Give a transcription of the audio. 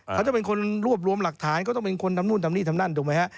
เขาจะเป็นคนรวบรวมหลักฐานก็ต้องเป็นคนทำนู่นทำนี่ทำนั่นถูกไหมฮะ